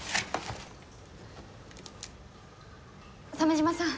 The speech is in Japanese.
鮫島さん